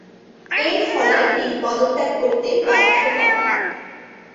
এরফলে তিনি পদত্যাগ করতে বাধ্য হন।